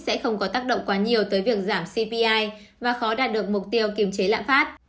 sẽ không có tác động quá nhiều tới việc giảm cpi và khó đạt được mục tiêu kiềm chế lạm phát